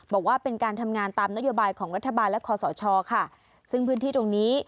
บอกว่าเป็นการทำงานตามนโยบายของรัฐบาลและคอสชค่ะซึ่งพื้นที่ตรงนี้